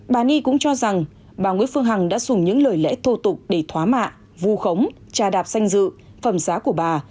bà y cũng cho rằng bà nguyễn phương hằng đã dùng những lời lẽ thô tục để thóa mạ vu khống trà đạp danh dự phẩm giá của bà